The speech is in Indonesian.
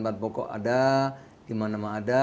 bapak boko ada gimana mah ada